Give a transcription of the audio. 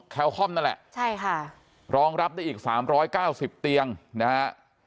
แคลคอมนั่นแหละใช่ค่ะรองรับได้อีกสามร้อยเก้าสิบเตียงนะฮะ